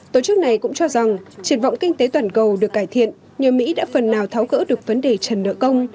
tổ chức này cũng cho rằng triển vọng kinh tế toàn cầu được cải thiện nhờ mỹ đã phần nào tháo gỡ được vấn đề trần nợ công